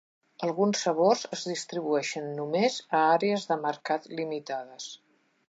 Alguns sabors es distribueixen només a àrees de mercat limitades.